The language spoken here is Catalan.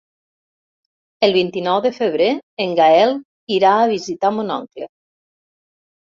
El vint-i-nou de febrer en Gaël irà a visitar mon oncle.